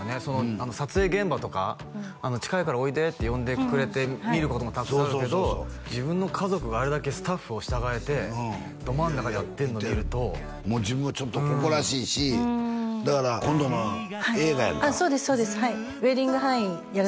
その撮影現場とか近いからおいでって呼んでくれて見ることもたくさんあるけど自分の家族があれだけスタッフを従えてど真ん中でやってるの見るともう自分もちょっと誇らしいしだから今度映画やんかそうですそうです